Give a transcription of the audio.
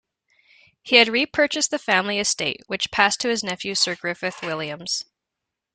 He had repurchased the family estate, which passed to his nephew Sir Griffith Williams.